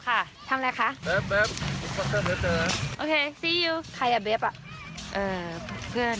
ค่ะทำอะไรคะแบบแบบโอเคซียูใครอ่ะเบ๊บอ่ะเอ่อแบบเกิ้ล